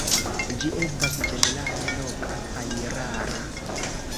Ĝi estas ĝenerale loka kaj rara.